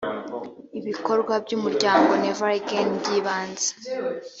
ibikorwa by umuryango never again byibanze